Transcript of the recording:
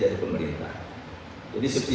kita harus memiliki asuransi sosial